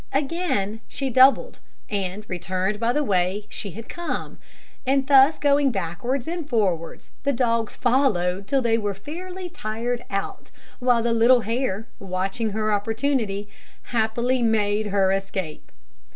Again she doubled, and returned by the way she had come; and thus, going backwards and forwards, the dogs followed till they were fairly tired out, while the little hare, watching her opportunity, happily made her escape.